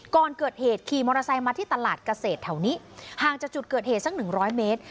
ก่อนเกิดเหตุขี่มอเตอร์ไซค์มาที่ตลาดเกษตรแถวนี้ห่างจากจุดเกิดเหตุสักหนึ่งร้อยเมตร